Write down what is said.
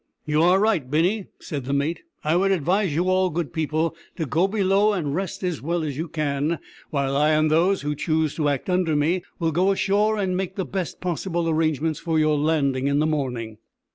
"You are right, Binney," said the mate. "I would advise you all, good people, to go below and rest as well as you can, while I, and those who choose to act under me, will go ashore and make the best possible arrangements for your landing in the morning."